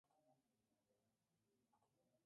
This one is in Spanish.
El director gerente de la estación era Mikael Olsson.